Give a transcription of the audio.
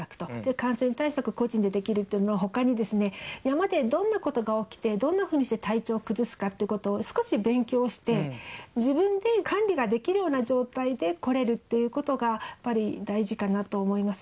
感染対策、個人でできるっていうのは、ほかに山でどんなことが起きて、どんなふうにして体調を崩すかということを少し勉強して、自分で管理ができるような状態で来れるっていうことが、やっぱり大事かなと思います。